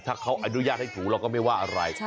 ถ้าเขาอนุญาตให้ถูเราก็ไม่ว่าอะไร